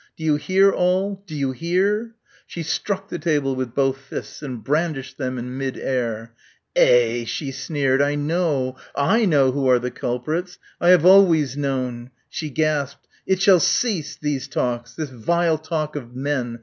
Do you hear, all? Do you hear?" She struck the table with both fists and brandished them in mid air. "Eh h," she sneered. "I know, I know who are the culprits. I have always known." She gasped. "It shall cease these talks this vile talk of men.